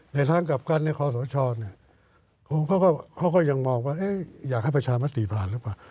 ในทางกลับกันในคอสชเขาก็ยังมองว่าอยากให้ประชามติผ่านหรือเปล่า